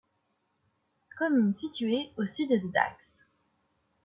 Commune située au sud de Dax.